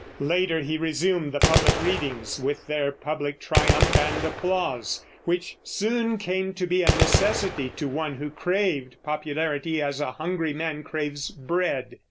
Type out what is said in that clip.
Later he resumed the public readings, with their public triumph and applause, which soon came to be a necessity to one who craved popularity as a hungry man craves bread.